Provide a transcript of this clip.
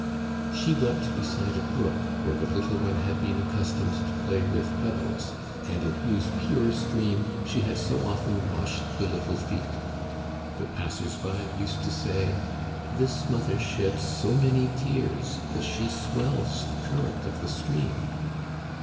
" She wept beside a brook where the little one had been accustomed to play with pebbles, and in whose pure stream she had so often washed the little feet. The passers by used to say :This mother sheds so many tears that she swells the current of the stream